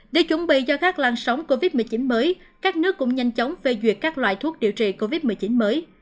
để chuẩn bị cho các lan sóng covid một mươi chín mới các nước cũng nhanh chóng phê duyệt các loại thuốc điều trị covid một mươi chín mới